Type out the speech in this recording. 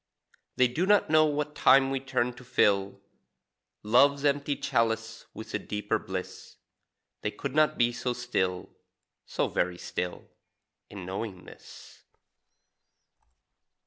They do not know what time we turn to fill Love's empty chalice with a cheaper bliss; They could not be so still so very still In knowing this.